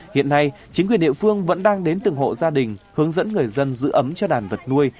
hiện nay chính quyền địa phương vẫn đang đến từng hộ gia đình hướng dẫn người dân giữ ấm cho đàn vật nuôi